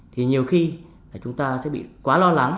thì nhiều khi chúng ta sẽ bị quá lo lắng